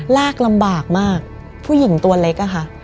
ลากลำบากมากผู้หญิงตัวเล็กอะค่ะ